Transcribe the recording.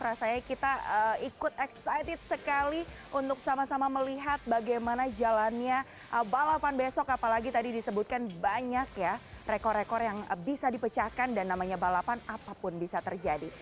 rasanya kita ikut excited sekali untuk sama sama melihat bagaimana jalannya balapan besok apalagi tadi disebutkan banyak ya rekor rekor yang bisa dipecahkan dan namanya balapan apapun bisa terjadi